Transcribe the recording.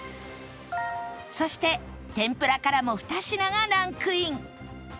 そして天ぷらからも２品がランクイン